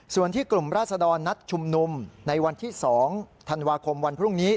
ส่วนที่กลุ่มราศดรนัดชุมนุมในวันที่๒ธันวาคมวันพรุ่งนี้